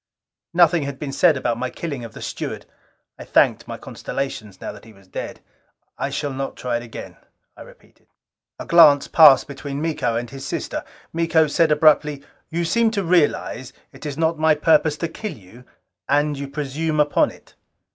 Nothing had been said about my killing of the steward. I thanked my constellations now that he was dead. "I shall not try it again," I repeated. A glance passed between Miko and his sister. Miko said abruptly, "You seem to realize it is not my purpose to kill you. And you presume upon it."